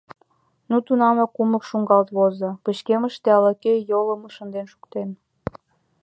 Но тунамак кумык шуҥгалт возо: пычкемыште ала-кӧ йолым шынден шуктен.